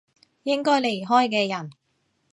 應該離開嘅人